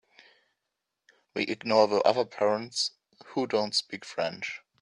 We ignore the other parents who don’t speak French.